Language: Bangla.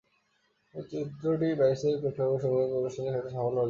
চলচ্চিত্রটি প্যারিসের প্রেক্ষাগৃহ সমূহে প্রদর্শনের ক্ষেত্রে সাফল্য অর্জন করে।